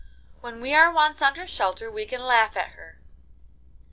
When we are once under shelter we can laugh at her.